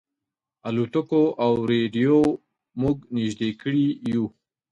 الوتکو او رېډیو موږ نيژدې کړي یو.